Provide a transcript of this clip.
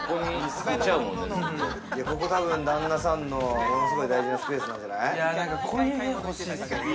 ここ、たぶん旦那さんの、ものすごい大事なスペースなんじゃない？